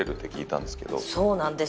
そうなんです。